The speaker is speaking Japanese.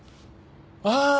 ああ！